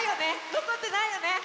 のこってないよね？